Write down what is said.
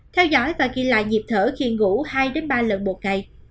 theo dõi và ghi lại nhịp thở khi ngủ hai ba lần một ngày